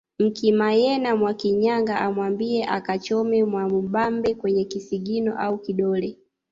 Mkimayena Mwakinyaga amwambie akamchome Mwamubambe kwenye kisigino au kidole